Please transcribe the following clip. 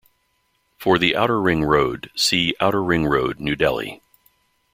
For the Outer Ring Road, see Outer Ring Road, New Delhi.